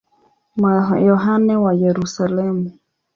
Yohane wa Yerusalemu.